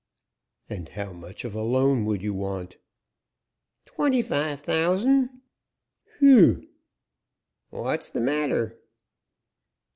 "And how much of a loan would you want?" "Twenty five thousand " "Whew!" "What's the matter?"